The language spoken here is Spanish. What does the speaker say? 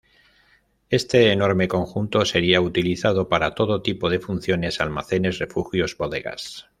Este enorme conjunto sería utilizado para todo tipo de funciones, almacenes, refugios, bodegas.